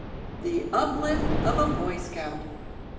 THE UPLIFT OF A BOY SCOUT.